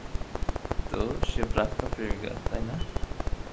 তো, সে প্রাক্তন প্রেমিকা, তাই না?